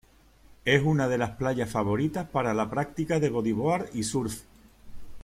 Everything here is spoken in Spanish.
Es una de las playas favoritas para la práctica de bodyboard y surf.